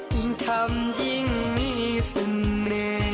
ยิ่งทำยิ่งมีเสน่